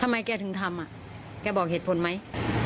แกถึงทำแกบอกเหตุผลไหม